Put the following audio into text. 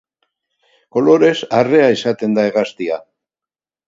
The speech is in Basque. Kolorez arrea izaten da hegaztia.